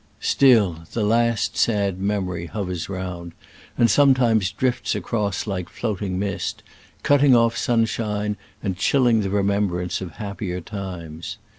Still, the last sad memory hovers round, and sometimes drifts across hke floating mist, cutting off sunshine and chilling the remembrance of happier times.